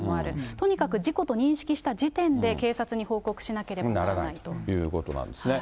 とにかく事故と認識した時点で警察に報告しなければならないと。ということなんですね。